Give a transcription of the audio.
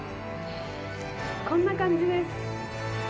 こんな感じです。